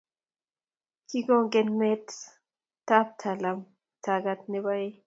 Kikong'en met bo talam tagat nebo ei